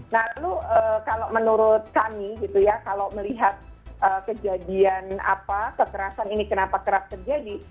lalu kalau menurut kami gitu ya kalau melihat kejadian apa kekerasan ini kenapa kerap terjadi